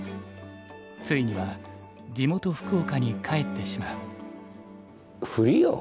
ついには地元福岡に帰ってしまう。